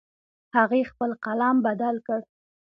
هغې خپل قلم بدل کړ